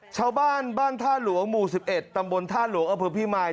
ชาวบ้านบ้านท่านหลวงหมู่๑๑ตำบลท่านหลวงอพิมาย